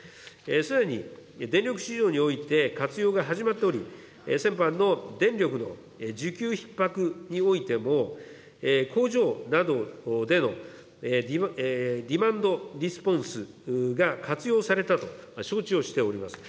すでに電力市場において活用が始まっており、先般の電力の需給ひっ迫においても、工場などでのディマンドレスポンスが活用されたと承知をしております。